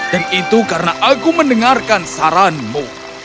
dan itu karena aku mendengarkan saranmu